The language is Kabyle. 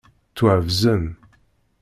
Ttwabẓen.